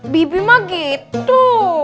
bibi mah gitu